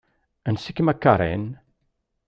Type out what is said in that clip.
Ansi-kem a Karen?